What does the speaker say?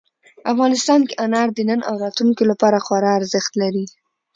افغانستان کې انار د نن او راتلونکي لپاره خورا ارزښت لري.